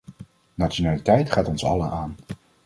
Nationaliteit gaat ons allen aan.